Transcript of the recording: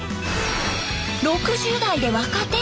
６０代で若手？